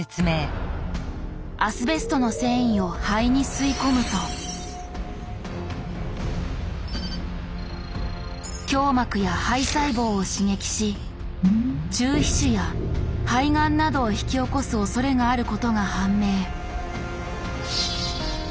アスベストの繊維を肺に吸い込むと胸膜や肺細胞を刺激し中皮腫や肺がんなどを引き起こすおそれがあることが判明。